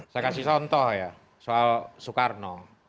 saya kasih contoh ya soal soekarno